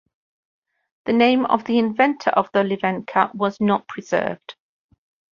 The name of the inventor of the livenka was not preserved.